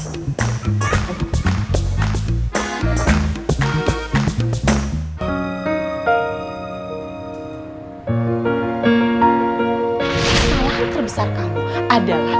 salah terbesar kamu adalah